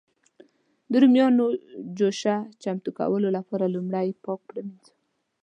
د رومیانو جوشه چمتو کولو لپاره لومړی یې پاک پرېمنځي.